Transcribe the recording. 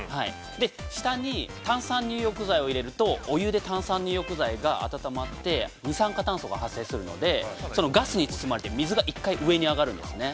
下に炭酸入浴剤を入れると、お湯で炭酸入浴剤が温まって二酸化炭素が発生するのでガスに包まれて水が１回上に上がるんすね。